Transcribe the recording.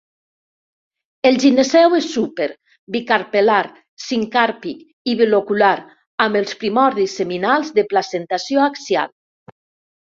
El gineceu és súper, bicarpel·lar, sincàrpic i bilocular amb els primordis seminals de placentació axial.